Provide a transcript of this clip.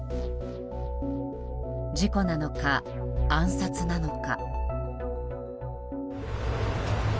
事故なのか暗殺なのか。